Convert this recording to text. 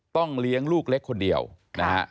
ต้องเลี้ยงลูกเล็กคนเดียวนะฮะ